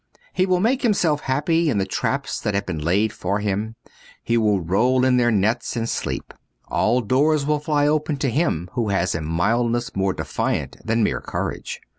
He will make himself happy in the traps that have been laid for him ; he will roll in their nets and sleep. All doors will fly open to him who has a mildness more defiant than mere courage.